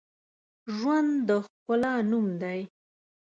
ژوند د ښکلا نوم دی